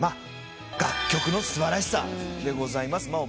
楽曲の素晴らしさでございます。